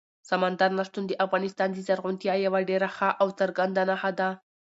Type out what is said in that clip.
سمندر نه شتون د افغانستان د زرغونتیا یوه ډېره ښه او څرګنده نښه ده.